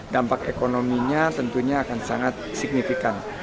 dampak ekonominya tentunya akan sangat signifikan